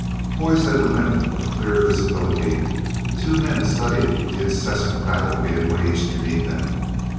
Poised at the limit of clear visibility, the two men studied the incessant battle being waged beneath them.